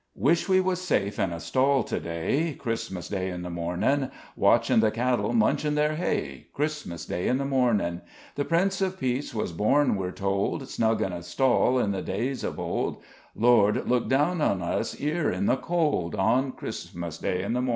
Wish we was safe in a stall to day, Christmas Day in the mornin'; Watching the cattle munchin' their hay, Christmas Day in the mornin'; The Prince of Peace was born, we're told, Snug in a stall in the days of old; Lord, look down on us 'ere in the cold, On Christmas Day in the mornin'.